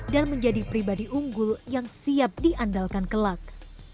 dan menjadi pribadi unggul yang siap diandalkan ke luck